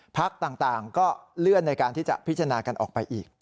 พักต่างก็เลื่อนในการที่จะพิจารณากันออกไปอีก